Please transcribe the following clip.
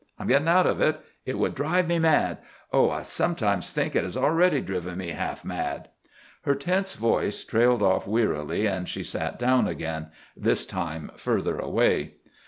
"I'm getting out of it. It would drive me mad. Oh, I sometimes think it has already driven me half mad." Her tense voice trailed off wearily, and she sat down again—this time further away.